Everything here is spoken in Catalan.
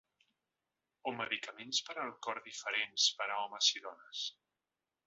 O medicaments per al cor diferents per a homes i dones?